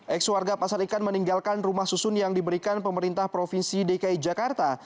ex warga pasar ikan meninggalkan rumah susun yang diberikan pemerintah provinsi dki jakarta